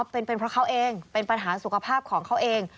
เป็นเพราะเขาเองเป็นปัญหาสุขภาพของเขาเอง